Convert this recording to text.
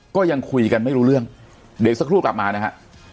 ก็ยังคุยกันไม่รู้เรื่องเดี๋ยวสักครู่กลับมานะฮะ